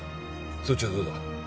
そっちはどうだ？